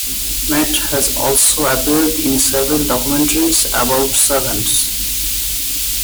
Matt has also appeared in several documentaries about savants.